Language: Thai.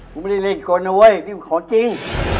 กูไม่ได้เล่นคนนะเว้ยนี่ของจริง